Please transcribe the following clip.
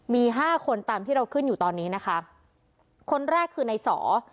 มีห้าคนตามที่เราขึ้นอยู่ตอนนี้นะคะคนแรกคือในสอ